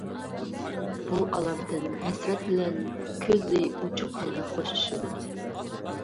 بۇ ئالامدىن ھەسرەت بىلەن كۆزى ئوچۇق ھالدا خوشلىشىدۇ.